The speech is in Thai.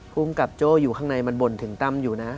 ภูมิกับโจ้อยู่ข้างในมันบ่นถึงตั้มอยู่นะ